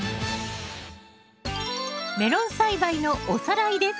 メロン栽培のおさらいです。